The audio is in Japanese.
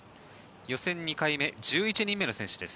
予選２回目１１人目の選手です。